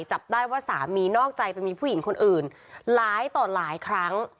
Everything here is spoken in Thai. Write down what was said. จับได้ว่าสามีนอกใจไปมีผู้หญิงคนอื่นหลายต่อหลายครั้ง